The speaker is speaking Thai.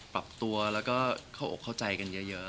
ปรับตัวแล้วก็เข้าใจกันเยอะ